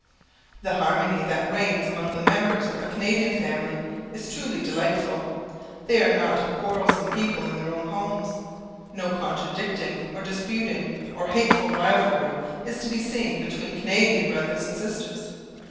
The harmony that reigns among the members of a Canadian family is truly delightful. They are not a quarrelsome people in their own homes. No contradicting or disputing, or hateful rivalry, is to be seen between Canadian brothers and sisters.